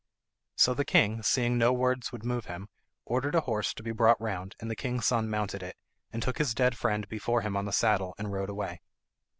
So the king, seeing no words would move him, ordered a horse to be brought round, and the king's son mounted it, and took his dead friend before him on the saddle, and rode away.